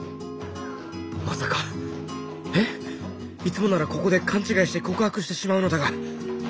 いつもならここで勘違いして告白してしまうのだが。